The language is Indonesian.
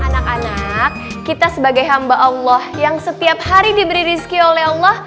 anak anak kita sebagai hamba allah yang setiap hari diberi rezeki oleh allah